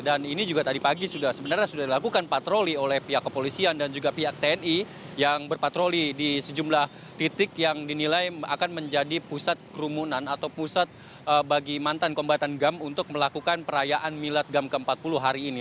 dan ini juga tadi pagi sudah sebenarnya sudah dilakukan patroli oleh pihak kepolisian dan juga pihak tni yang berpatroli di sejumlah titik yang dinilai akan menjadi pusat kerumunan atau pusat bagi mantan kombatan gam untuk melakukan perayaan milad gam ke empat puluh hari ini